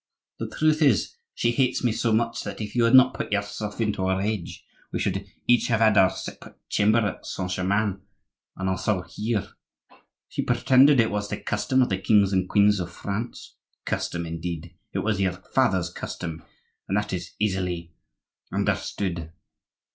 The truth is, she hates me so much that if you had not put yourself into a rage, we should each have had our separate chamber at Saint Germain, and also here. She pretended it was the custom of the kings and queens of France. Custom, indeed! it was your father's custom, and that is easily understood.